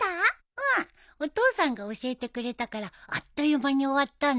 うんお父さんが教えてくれたからあっという間に終わったんだ。